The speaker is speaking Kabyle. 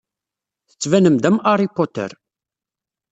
Tettbanem-d am Harry Potter.